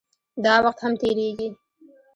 داوخت هم تېريږي